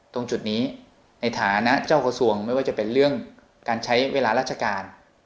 ตรงจุดนี้ในฐานะเจ้ากระทรวงไม่ว่าจะเป็นเรื่องการใช้เวลาราชการ